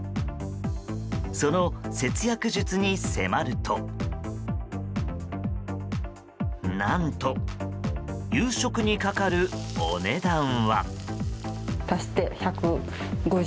その節約術に迫ると何と夕食にかかるお値段は。